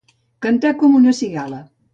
Cantar com una cigala.